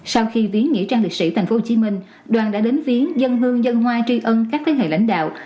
sau khi viếng nghĩa trang liệt sĩ tp hcm đoàn đã đến viếng dân hương dân hoa tri ân các thế hệ lãnh đạo